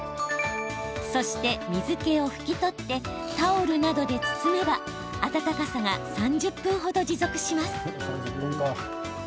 そして、水けを拭き取ってタオルなどで包めば温かさが３０分ほど持続します。